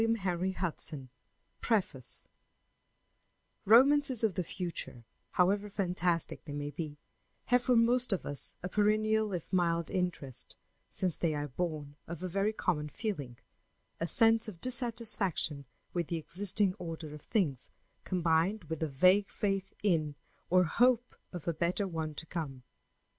H. HUDSON PREFACE _Romances of the future, however fantastic they may be, have for most of us a perennial if mild interest, since they are born of a very common feeling a sense of dissatisfaction with the existing order of things, combined with a vague faith in or hope of a better one to come.